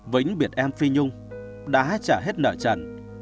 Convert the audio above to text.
vĩnh biệt em phi nhung đã trả hết nợ trần